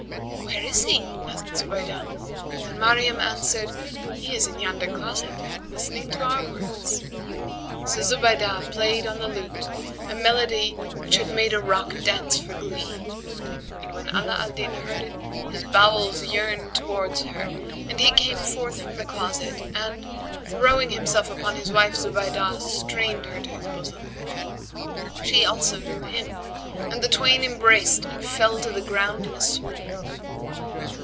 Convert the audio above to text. "Where is he?" asked Zubaydah, and Maryam answered, "He is in yonder closet listening to our words." So Zubaydah played on the lute a melody which had made a rock dance for glee; and when Ala al Din heard it, his bowels yearned towards her and he came forth from the closet and, throwing himself upon his wife Zubaydah, strained her to his bosom. She also knew him and the twain embraced and fell to the ground in a swoon.